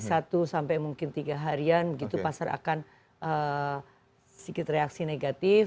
satu sampai mungkin tiga harian begitu pasar akan sikit reaksi negatif